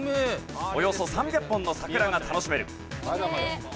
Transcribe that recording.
およそ３００本の桜が楽しめる。